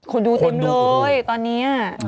คนดูเต็มเลยตอนนี้